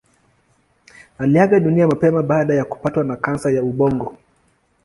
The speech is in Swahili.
Aliaga dunia mapema baada ya kupatwa na kansa ya ubongo.